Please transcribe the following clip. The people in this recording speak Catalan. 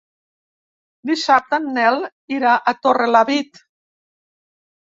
Dissabte en Nel irà a Torrelavit.